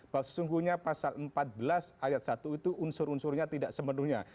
bahwa sesungguhnya pasal empat belas ayat satu itu unsur unsurnya tidak sepenuhnya